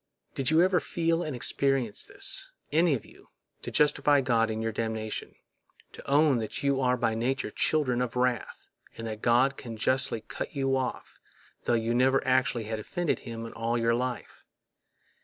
Did you ever feel and experience this, any of you—to justify God in your damnation—to own that you are by nature children of wrath, and that God may justly cut you off, tho you never actually had offended Him in all your life?